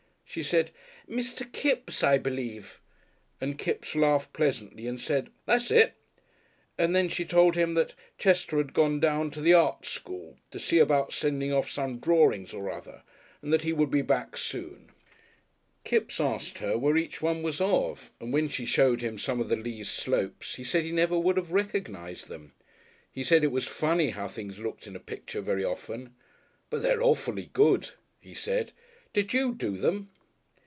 She said "Mr. Kipps, I believe," and Kipps laughed pleasantly and said, "That's it!" and then she told him that "Chester" had gone down to the art school to see about sending off some drawings or other and that he would be back soon. Then she asked Kipps if he painted, and showed him the pictures on the wall. Kipps asked her where each one was "of," and when she showed him some of the Leas slopes he said he never would have recognised them. He said it was funny how things looked in a picture very often. "But they're awfully good," he said. "Did you do them?"